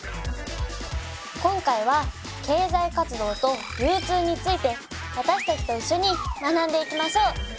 今回は経済活動と流通について私たちと一緒に学んでいきましょう。